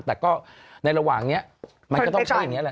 แต่ก็ในระหว่างนี้มันก็ต้องใช้อย่างนี้แหละ